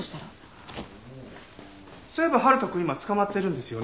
そういえば春人くん今捕まってるんですよね。